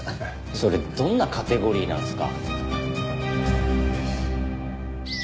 それどんなカテゴリーなんすか。